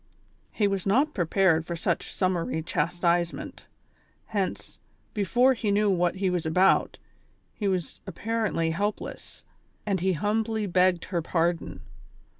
He was not prepared for such summary chastisement, hence, before he knew what he was about, he was appa rently helpless ; when he humbly begged her pardon